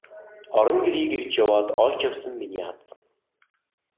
Орон гэрийг эрж яваад олж явсан миний аз.